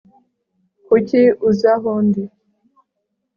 kuki uza aho ndi